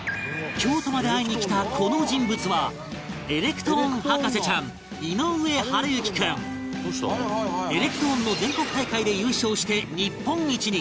京都まで会いに来たこの人物はエレクトーンの全国大会で優勝して日本一に